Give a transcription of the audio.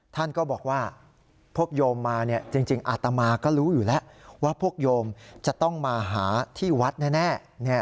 ท่านก็บอกว่าพวกโยมมาจริงอาตมาก็รู้อยู่แล้วว่าพวกโยมจะต้องมาหาที่วัดแน่